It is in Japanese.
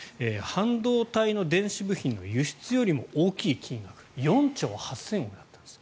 半導体の電子部品の輸出よりも大きい金額４兆８０００億円だったんです。